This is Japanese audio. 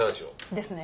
ですね。